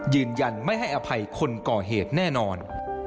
ยืนยันไม่ให้อภัยคนก่อเหตุแน่นอน